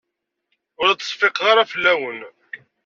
Ur la ttseffiqeɣ ara fell-awen.